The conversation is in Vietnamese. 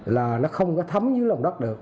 là nó không có thấm dưới lồng đất được